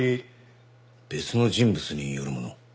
別の人物によるもの？